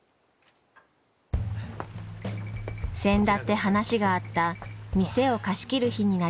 せんだって話があった店を貸し切る日になりました。